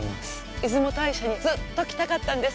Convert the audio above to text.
出雲大社に、ずっと来たかったんです。